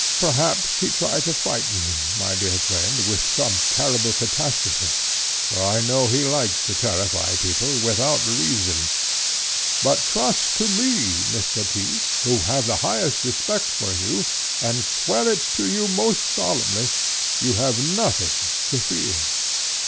Perhaps he tried to frighten you, my dear friend, with some terrible catastrophe, for I know he likes to terrify people without reason. But trust to me, Mr. Tyss, who have the highest respect for you, and swear it to you most solemnly, you have nothing to fear.